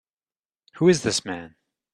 Who is this man?